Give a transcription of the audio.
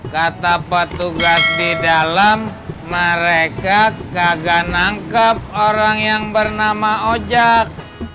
kata petugas di dalam mereka kagak nangkep orang yang bernama ojek